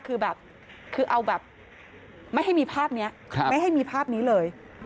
คือแบบไม่ให้มีภาพนี้ไม่ให้มีภาพนี้เลย